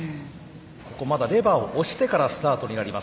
ここまだレバーを押してからスタートになります。